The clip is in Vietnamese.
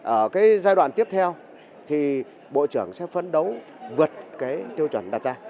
ở cái giai đoạn tiếp theo thì bộ trưởng sẽ phấn đấu vượt cái tiêu chuẩn đặt ra